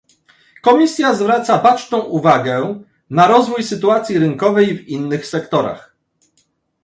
Komisja zwraca baczną uwagę na rozwój sytuacji rynkowej w innych sektorach